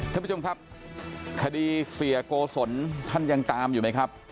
ท่านผู้ชมครับคดีเสียโกศลท่านยังตามอยู่ไหมครับ